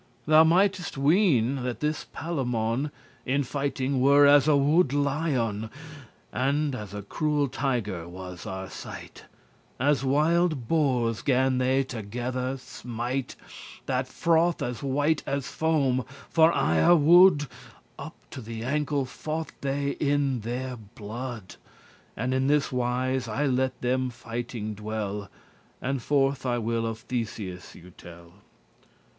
*thrust Thou mightest weene*, that this Palamon *think In fighting were as a wood* lion, *mad And as a cruel tiger was Arcite: As wilde boars gan they together smite, That froth as white as foam, *for ire wood*. *mad with anger* Up to the ancle fought they in their blood. And in this wise I let them fighting dwell, And forth I will of Theseus you tell.